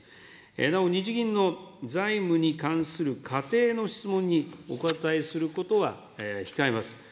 なお、日銀の財務に関する仮定の質問にお答えすることは控えます。